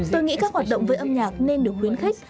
tôi nghĩ các hoạt động với âm nhạc nên được khuyến khích